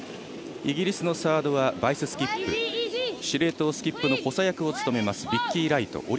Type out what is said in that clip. イギリスのサードはバイススキップ司令塔、スキップの補佐役を務めますビッキー・ライト。